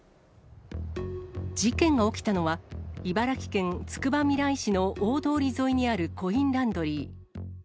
事件が起きたのは、茨城県つくばみらい市の大通り沿いにあるコインランドリー。